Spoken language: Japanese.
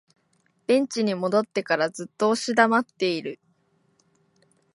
ベンチに戻ってからずっと押し黙っている